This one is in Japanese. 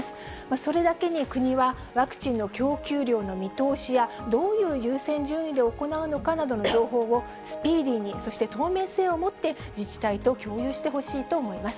それだけに、国はワクチンの供給量の見通しや、どういう優先順位で行うかなどの情報をスピーディーにそして透明性をもって、自治体と共有してほしいと思います。